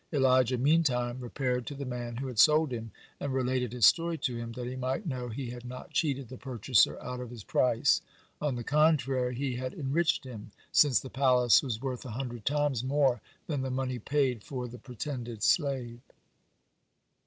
Elijah meantime repaired to the man who had sold him, and related his story to him, that he might know he had not cheated the purchaser out of his price; on the contrary, he had enriched him, since the palace was worth a hundred times more than the money paid for the pretended slave.